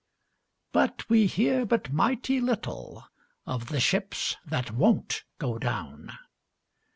But we hear but mighty little Of the ships that won't go down.